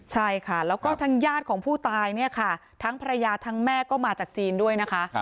ใช่ค่ะแล้วก็ทางญาติของผู้ตายเนี่ยค่ะทั้งภรรยาทั้งแม่ก็มาจากจีนด้วยนะคะ